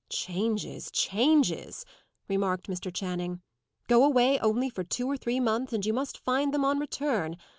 "Changes! changes!" remarked Mr. Channing. "Go away only for two or three months, and you must find them on return.